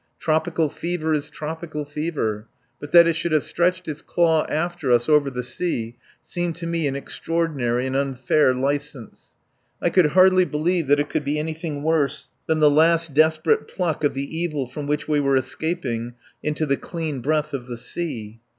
Tropical fever is tropical fever. But that it should have stretched its claw after us over the sea seemed to me an extraordinary and unfair license. I could hardly believe that it could be anything worse than the last desperate pluck of the evil from which we were escaping into the clean breath of the sea.